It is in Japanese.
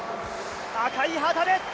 赤い旗です。